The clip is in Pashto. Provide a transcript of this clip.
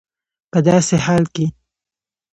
په داسي حال کي